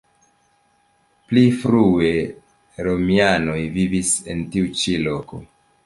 Pli frue romianoj vivis en tiu ĉi loko.